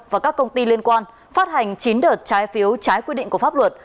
và các công ty liên quan phát hành chín đợt trái phiếu trái quy định của pháp luật